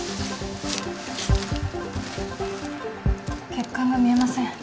血管が見えません。